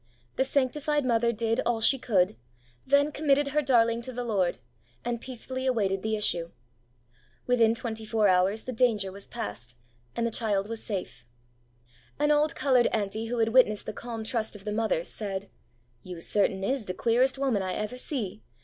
The sanctified mother did all she could, then committed her darling to the Lord, and peacefully awaited the issue. Within twenty four hours the danger was passed, and the child was safe. An old coloured auntie who had witnessed the calm trust of the mother said, 'You certain is de queeres' woman I ever see